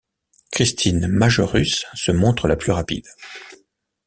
Christine Majerus se montre la plus rapide.